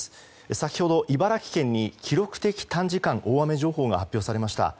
先ほど茨城県に記録的短時間大雨情報が発表されました。